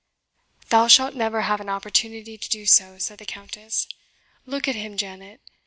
"Thou shalt never have an opportunity to do so," said the Countess. "Look at him, Janet.